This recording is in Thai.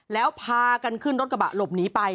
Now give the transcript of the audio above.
แล้วพากันขึ้นรถกระบะหลบหนีไป